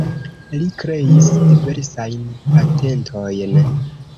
Li kreis diversajn patentojn.